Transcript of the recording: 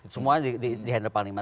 semuanya di handle panglima